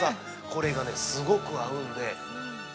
これがすごく合うんで。